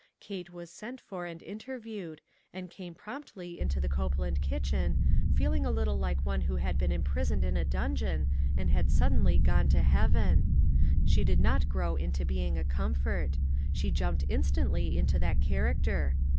Kate was sent for and interviewed, and came promptly into the Copeland kitchen, feel ing a little like one who had been impris oned in a dungeon, and had suddenly gone to heaven ! She did not grow into being a comfort. She jumped instantly into that character.